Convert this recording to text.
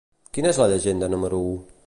Quina és la llegenda número u?